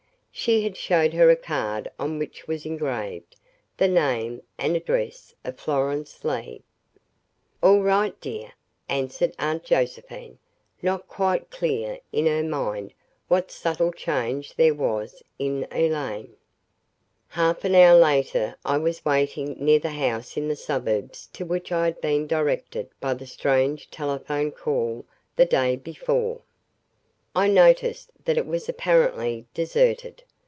She had showed her a card on which was engraved, the name and address of Florence Leigh. "All right, dear," answered Aunt Josephine, not quite clear in her mind what subtle change there was in Elaine. ........ Half an hour later I was waiting near the house in the suburbs to which I had been directed by the strange telephone call the day before. I noticed that it was apparently deserted.